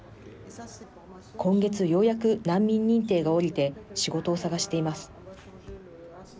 今月、ようやく難民認定が下りて仕事を探しています。